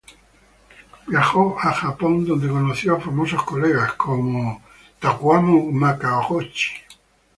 Viajó a Estados Unidos donde conoció a famosos colegas, como Virgil Thomson.